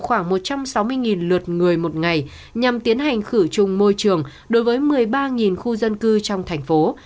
thượng hải đã điều động khoảng một trăm sáu mươi lượt người một ngày nhằm tiến hành khử chung môi trường đối với một mươi ba khu dân cư trong thành phố